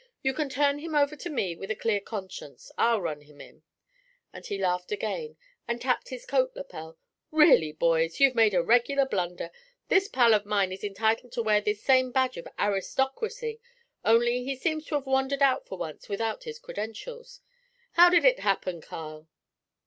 You can turn him over to me with a clear conscience. I'll run him in.' And he laughed again, and tapped his coat lapel. 'Really, boys, you've made a regular blunder. This pal of mine is entitled to wear this same badge of aristocracy, only he seems to have wandered out for once without his credentials. How did it happen, Carl?'